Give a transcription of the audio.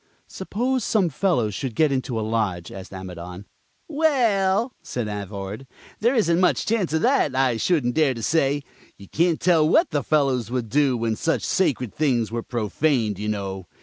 "Suppose some fellow should get into a lodge," asked Amidon, "who had never been initiated?" "Well," said Alvord, "there isn't much chance of that. I shouldn't dare to say. You can't tell what the fellows would do when such sacred things were profaned, you know.